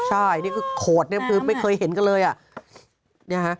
ใช่นี่คือโขดเนี่ยคือไม่เคยเห็นกันเลยอ่ะ